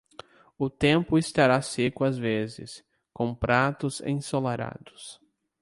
O tempo estará seco às vezes, com pratos ensolarados.